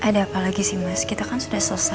siapa yang yang biasa alliednya